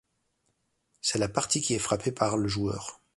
C’est la partie qui est frappée par le joueur.